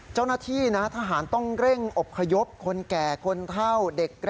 เจ้าหน้าที่ทหารต้องเร่งอบขยบคนแก่คนเท่า